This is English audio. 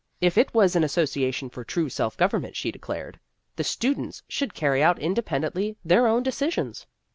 If it was an association for true self government, she declared, the stu dents should carry out independently their own decisions.